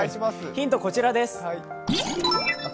ヒント、こちらです。